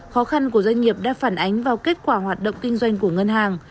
khó khăn của doanh nghiệp đã phản ánh vào kết quả hoạt động kinh doanh của ngân hàng